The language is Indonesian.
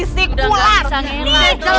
ini jadi bu messi